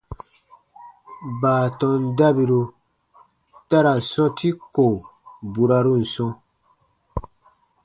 Baatɔn dabiru ta ra sɔ̃ti ko burarun sɔ̃,